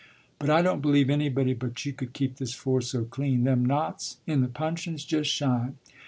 But I don't believe anybody but you could keep this floor so clean. Them knots in the puncheons just shine!